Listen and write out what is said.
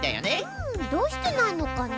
うんどうしてないのかな？